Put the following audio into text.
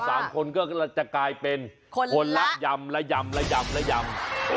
สามคนก็จะกลายเป็นคนคนละยำละยำละยำละยำ